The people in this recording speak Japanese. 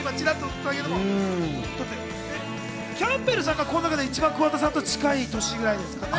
キャンベルさんがこの中で一番桑田さんと近い歳ぐらいですかね？